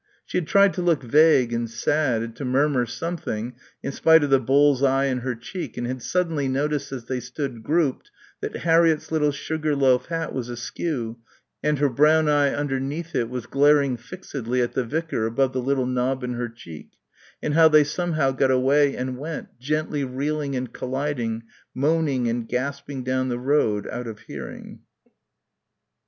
She had tried to look vague and sad and to murmur something in spite of the bull's eye in her cheek and had suddenly noticed as they stood grouped that Harriett's little sugar loaf hat was askew and her brown eye underneath it was glaring fixedly at the vicar above the little knob in her cheek and how they somehow got away and went, gently reeling and colliding, moaning and gasping down the road out of hearing.